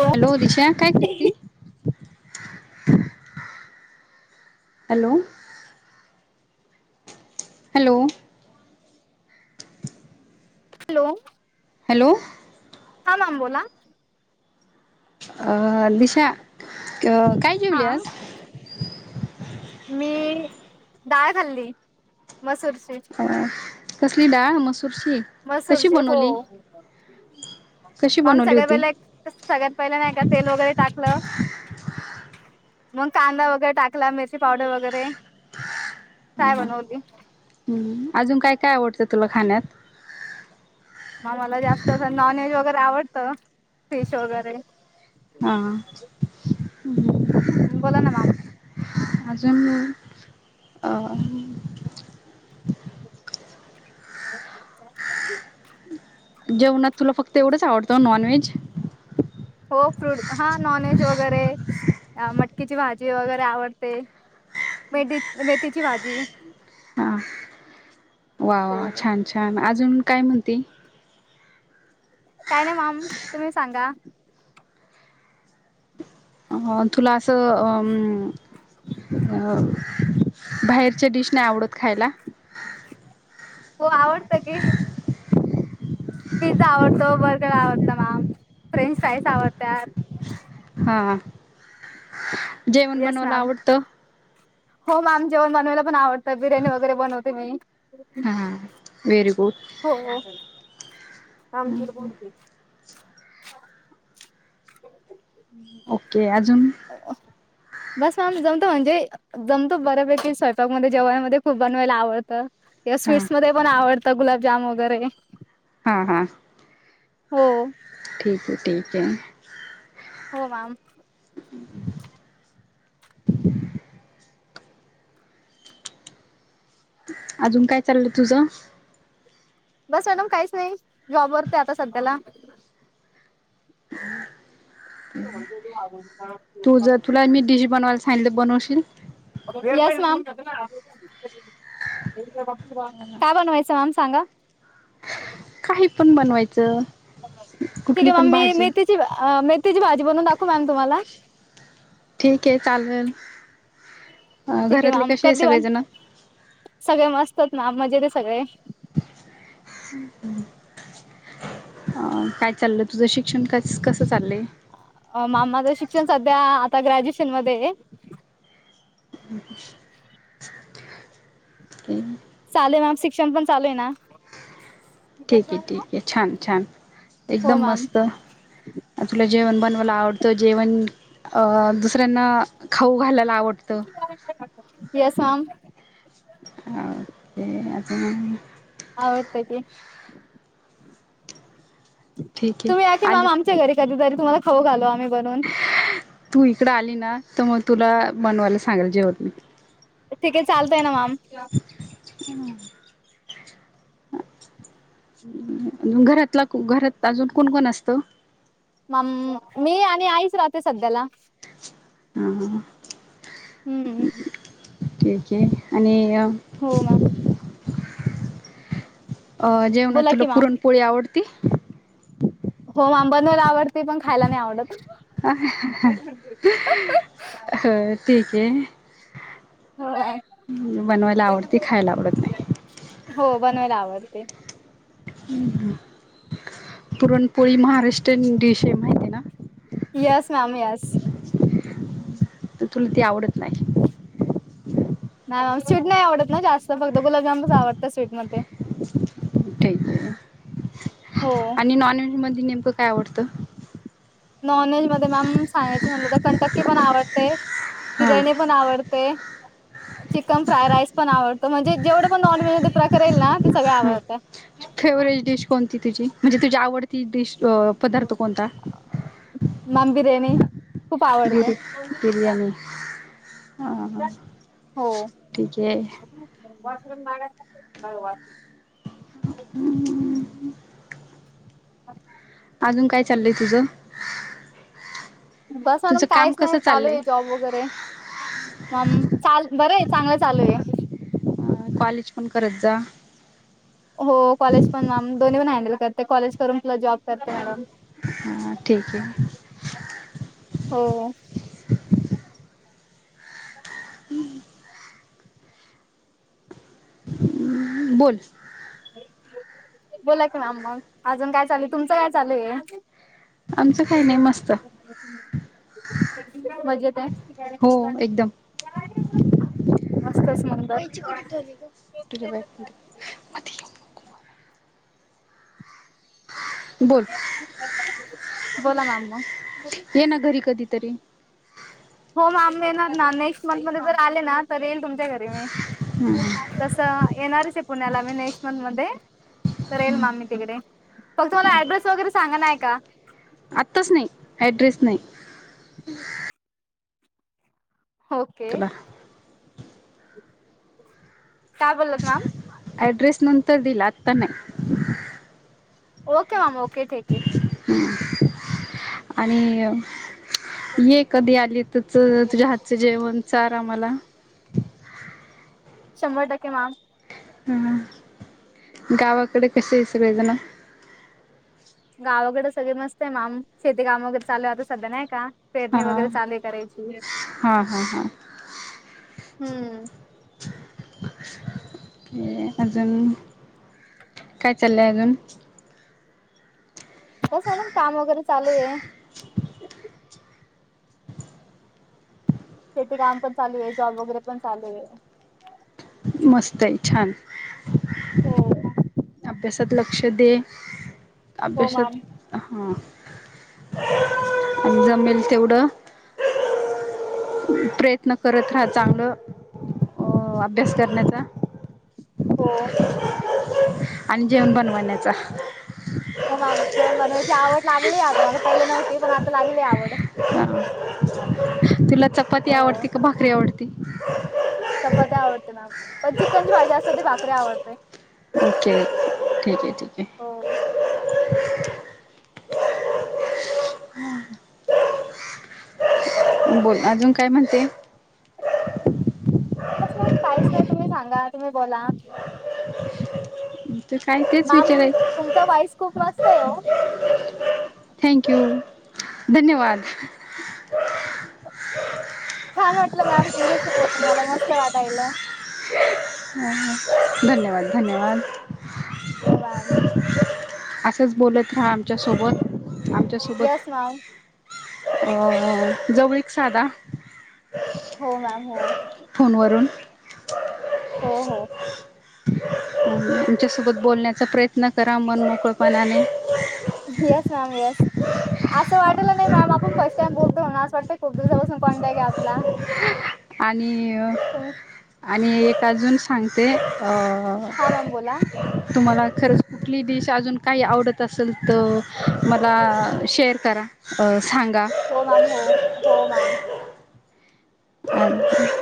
Hello दिश काय करती hello hello hello. Hello. Hello. हा मॅम बोला. अ दिशा अ हा. मी डाळ खाल्ली मसूरची. कसली डाळ मसूर ची? मसूरची हो. कशी मॅम बनवली सगळ्यात होती? पहिल्या सगळ्यात पहिल्या नाही का तेल वगैरे टाकलं. मग कांदा वगैरे टाकला, मिरची पावडर वगैरे फ्राय बनवली. हम अजून काय काय आवडतं तुला खाण्यात? म मला जास्त अस नॉनव्हेज वगैरे आवडत. फिश वगैरे. हा. हम् बोला ना मॅम. आजून मग अ [inaudible] जेवणात तुला फक्त एवढंच आवडतं नॉन व्हेज? हो फ्रूड हा नॉन व्हेज वगैरे अ मटकीची भाजी वगैरे आवडते, मेढी मेथीची भाजी. हा वा वा हो छान छान. अजून काय म्हणती? काय नाही माम तुम्ही सांगा? अ तुला अस अमम अ बाहेरच्या डिश नाही आवडत खायला. हो आवडत की. पिझ्झा आवडतो, बर्गर आवडत मॅम. फ्रेंच फ्राईस आवडत्या. हा. जेवण येस बनवायला मॅम. आवडतं हो मॅम जेवण बनवायला पण आवडतं. बिर्याणी वगैरे बनवते मी. हां वेहेरी गुड. हो हो कामगिर बोलव त्यात. ओके अजून बस मॅम जमतो म्हणजे जमतो बऱ्यापैकी स्वयंपाक मध्ये जेवणामध्ये खूप बनवायला आवडतं. या हां स्वीट्स मध्ये पण आवडतं गुलाबजाम वगैरे. हा हा हो ठीक आहे ठीक आहे. हो मॅम. [inaudible] अजून काय चाललं तुझं? बस मॅडम काहीच नाही. जॉब करते आता सध्याला. काव [unintelligible] हॅन्डलूम बनवशील? Yes ma'am. काय बनवायचं मॅम सांगा? काही पण बनवायचं ठीक कुठली आहे मॅम पण मी भाजी. मेथीची मेथीची भाजी बनवून दाखू मॅम तुम्हाला? ठीक आहे चालेल, ठीक घरातले मॅम कसे आहे कधी सगळे पण जण? सगळे मस्त आहेत ना मजेत हाय सगळे! हम् हम् [unintelligible] अ, काय चाललंय तुझं शिक्षण कसं चाललय? म माज शिक्षण सध्या आता ग्रॅज्युएशन मध्येय! ह् हम् [unintelligible] चालूय मॅम शिक्षण पण चालू आहे ना? ठीक हे, ठीक हे छान -छान हो एकदम मॅम मस्त. तुला जेवण बनवायला आवडतं, जेवण अ दुसऱ्यांना खाऊ घालायला आवडतं येस, मॅम आ ते आज [unintelligible] आवडत की! ठीक आहे तुम्ही यायचं ना आली आमचा घरी कधी तरी तुम्हाला खाऊ घालू आम्ही बनऊन! तू इकड आली ना, तर मग तुला बनवायला सांगेलं जेवण मी ठीक आहे चालतय ना मॅम [inaudible] घरातला, घरात अजून कोण- कोण असत? मम मी आणि आईच राहते सध्याला! ह, हम्म ह ठीकय आणि हो मॅम! अ, जेवण बोला तुला की मॅम पुरणपोळी आवडत? हो, बनवायला आवडते, पण खायला नाही आवडत. ह, ह, ह, ह. हो ठीकय. बनवायला आवडती, खायला आवडत नाही? हो बनवायला आवडते! हम्म, पुरणपोळी महाराष्ट्रियन डिश हाय माहिती आहे ना येस, मॅम येस. तर तुला ती आवडत नाही? नाही, स्वीट नाही आवडत ना जास्त फक्त गुलाबजामच आवडतं स्वीट मध्ये! ठीक य हो आणि नॉन व्हेज मधी नेमकं काय आवडत? नॉन व्हेज मध्ये मॅम सांगायच म्हणलं तर कंटक्की पण आवडते बिर्याणी हां पण आवडतय. चिकन फ्राय, राईस पण आवडतो म्हणजे जेवढं पण नॉनव्हेज मध्ये प्रकार येईल ना ते सगळ आवडतय! फेवरेट डिश कोणती तुझी? म्हणजे तुझी आवडती डिश अ पदार्थ कोणता? मॅम, बिर्याणी! खूप बि, आवडते बिरयाणी अ ह ठीकय. वॉशरूम माग असत्यात, वॉशरूम. हमम [inaudible] अ [unintelligible] अजून काय चालय तुझं? बस अजून तुझं काम कायच नाही, कसं चालूय चाललंय आहे जॉब वगैरे. मम, चाल, बरं हाय चांगलं चालूय! कॉलेज पण करत जा. हो कॉलेज पण मॅम दोन्ही पण हॅंडेल करते, कॉलेज करून प्लस जॉब. करते मॅडम हा ठीक आहे [unintelligible] हो. हम्म [inaudible] [inaudible] बोल [inaudible] बोला कि मॅम मग अजून काय चालू? तुमच काय चालूये? आमचं काही नाही मस्त. [inaudible] मजेत हाय. हो [unintelligible] एकदम [unintelligible] असतेस म्हणून दर ठीक आहे बाय. [unintelligible] [inaudible] बोल [unintelligible] बोला मॅम मग. येना घरी कधीतरी. हो मॅम येणार ना नेक्स्ट मंथमध्ये जर आले ना, तर येईल तुमच्या घरी मी. हम्म [inaudible] तसं येणारच आहे पुण्याला मी नेक्स्ट मंथमध्ये. तर येईल मॅम मी तिकडे, फक्त मला ॲड्रेस वगैरे सांगा नाय का. आत्ताच नाही, ॲड्रेस नाही. हो. तुला काय बोल्लात मॅम? ॲड्रेस नंतर दिल, आता नाही. ओ का, मॅम ओके ठीके. हम्म [inaudible] आणि अ ये कधी आली त- च तुझ्या हातचं जेवण चार आम्हाला. शंभर टक्के मॅम. हम्म, गावाकडे कसे आहे सगळेजण? गावाकडे सगळे मस्त आहे माम, शेती काम वगैरे चालू आहे आता सध्या नाही का? हा पेरणी वगैरे चालू आहे करायची. हा हा हा हम्म [inaudible] के अजून, काय चाललंय अजून? कसं मॅडम काम वगैरे चालूये. शेती काम पण चालूये, जॉब वगैरे पण चालूये. मस्तय छान. [inaudible] हो अभ्यासात लक्ष दे हो अभ्यासात मॅम हा [inaudible] आणि जमेल तेवढं. प्रयत्न करत राहा चांगलं अ अभ्यास करण्याचा हो. [inaudible] [inaudible] आणि जेवण बनवनण्याचा. हो मॅम जेवण बनवायची आवड लागलीये, आता मला पहिले नव्हती पण आता लागली आवड. हा [inaudible] तिला चपाती हो. आवडती का भाकरी आवडती? चपात्या आवडते मॅम पण चिकन ची भाजी असल तर भाकरी आवडतय. [inaudible] ओके ठीक आहे-ठीक आहे. हो. बोल [inaudible] अजून काय म्हणते? [unintelligible] काहीच नाही तुम्ही सांगा तुम्ही बोला. तर काय तेच मॅम विचाराय तुमचा व्हाईस खूप मस्तये ओ. थँक यू, [inaudible] धन्यवाद. छान वाटलं मॅम तुमच्याशी बोलून मला मस्त वाटायला. ह-ह धन्यवाद-धन्यवाद हो मॅम असंच बोलत राहा आमच्या सोबत. येस मॅम अ जवळीक साधा. हो मॅम हो फोनवरून. हो हो आमच्यासोबत बोलण्याचा प्रयत्न करा मन मोकळपणाने. येस मॅम येस असं वाटलं नाही मॅम आपण फस्ट टाईम बोलतोय म्हणून असं वाटतं खूप दिवसापासून कॉन्टॅक् हे आपला. आणि अ ह. आणि एक अजून सांगते. अ हां मॅम बोला तुम्हाला खरंच कुठली डिश अजून काही आवडत असेल तर मला शेअर करा सांगा. हो मॅम हो-हो मॅम आणि [inaudible]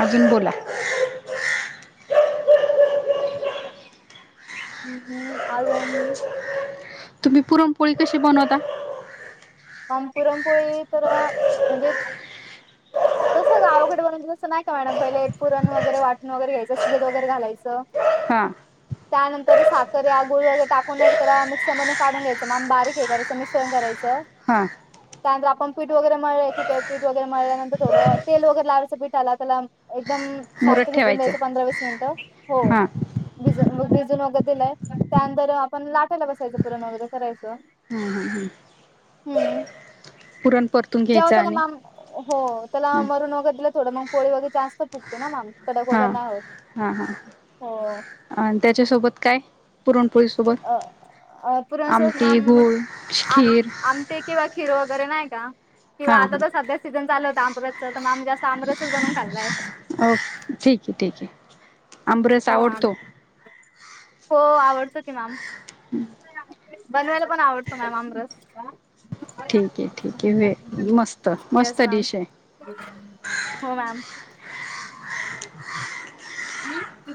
अजून बोला. हम्म-हम्म अजून तुम्ही पुरणपोळी कशी बनवता? मॅम पुरणपोळी तर म्हणजे ह [inaudible] जस का आवघडे बनत तसं नाही का मॅडम पहिले पुरण वगैरे वाटून वगैरे घ्यायचं शिजत वगैरे घालायचं. हा. त्यानंतर साखर या गुळ वगैरे टाकून नाही त्याला मिक्सर मधून काढून घ्यायचं माम बारीक हे करायचं मिश्रण करायचं. हा त्यानंतर आपण पीठ वगैरे ठीक आहे पीठ वगैरे मळल्यानंतर थोडं तेल वगैरे लावायचं पीठाला त्याला एकदम शांत मुरत भिजून ठेवायचं द्यायचं पंधरा वीस मिनिटं हो. हा भिज मग भिजून वगैरे दिलाय त्यानंतर आपण लाटायला बसायचं पुरण वगैरे करायचं. हम् हम हम्. हम्म, परतून जाव घ्यायचं त्याला आणि माम हो त्याला मरून वगैर दिलं थोडं मग पोळी वगैर जास्त फुक ना माम कडक वगैर हा नाही होत. हो अ त्याच्यासोबत काय? पुरणपोळी अ सोबत अ पुरणसोबत आमटी, माम गुळ, आम खीर आमटे किंवा हिरो वगैरे नाही का किंवा हा आता तर हा सध्या सीझन चाल होत आमरसच तर मग अमी जास्त आमरसच बनवून खाल्लाय. ओ, ठीक आहे-ठीक आहे. आंबरस हो मॅम आवडतो हो आवडत की मॅम. बनवायला पण आवडतो मॅम आमरस. ठीक आहे ठीक आहे व मस्त येस मस्त मॅम डिश आहे. हो मॅम तु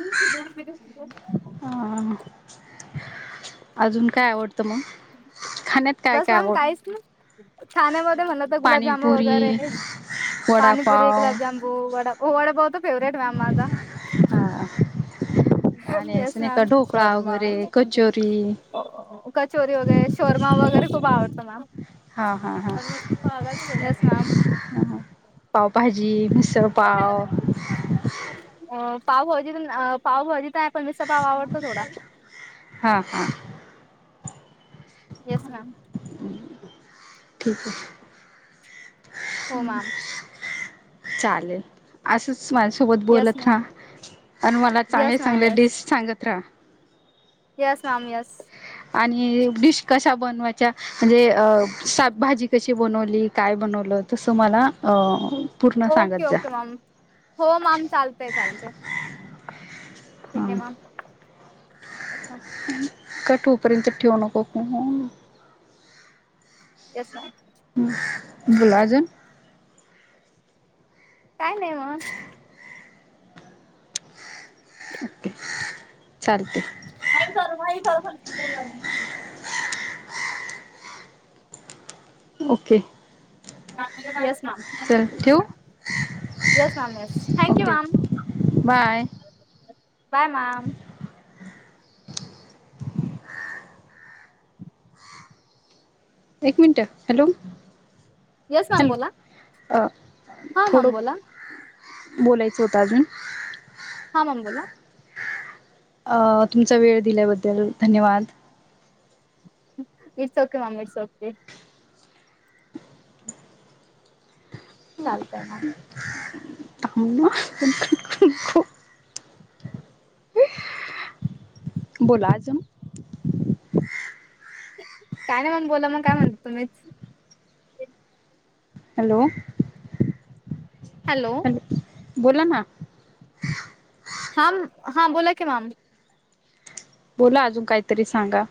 दोन मि [unintelligible] अ अजून काय आवडतं मग खाण्यात काय-काय आवडतं. छण्यामध्ये म्हलं तर गुलाबजाम पाणीपुरी वगैरे पाणीपुरी वडापाव गुलाबजाम. डावाडा बत फेवरेट मॅ माझ हा आणि असं नाही का ढोकळा वगैरे कचोरी. कचोरी वगैरे शोर्मा वगैरे खूप आवडतो मॅम हा हा हा [unintelligible] पावभाजी मिसळ पाव. अ पावभाजीत पावभाजीत नाही पण मिसळपाव आवडतो थोडा. हा, हा. Yes ma'am. ठीक आहे. हो हम्म मॅम चालेल असं. माझ्यासोबत येस बोलत मॅम राहा आणि मला चांगले येस मॅम चांगले येस. डिश सांगत राहा. Yes ma'am yes. आणि डिश कशा बनवायच्या म्हणजे शाक भाजी कशी बनवली. काय बनवलं तसं मला पूर्ण ओके सांगत जा. ओके मॅम हो, माॅम चालतंय चालतंय. ठीक आहे हां मग. कठोपर्यंत ठेव नको. Yes ma'am. बोला आजून. काय नाही मग. ओके चालतय. नाही चालू नाही चालू. ओके. यस. चाल ठेऊ. Yes ma'am yes. Thank you ma'am. Bye bye ma'am. एक मिनट हॅलो. येस मॅम बोला हॅलो अ हा थोडं मॅम बोला बोलायचं होतं अजून. हा मम बोला. अ तुमचा वेळ दिल्याबद्दल धन्यवाद. मिडसोके माम मिडसोकते. चालतय म थांब ना. [unintelligible] बोला आजून. काय नाही मग, बोला मग, काय म्हणता तुम्हीच? हॅलो! हॅलो! हॅलो बोला ना. हांम हां बोला की मॅम. बोला अजून काहीतरी सांगा.